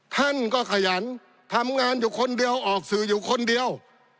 ท่านก็ขยันทำงานอยู่คนเดียวออกสื่ออยู่คนเดียว